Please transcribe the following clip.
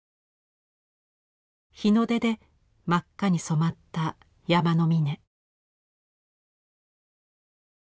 日の出で真っ赤に染まった山の峰。